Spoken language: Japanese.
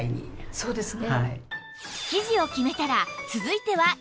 そうですね。